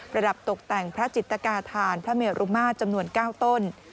ระดับตกแต่งพระจิตกาธานพระเมรุมาตรจำนวน๙ต้น